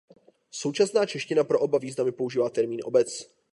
Současná čeština pro oba významy používá termín obec.